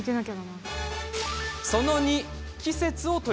その２。